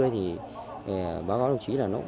thì báo cáo đồng chí là nó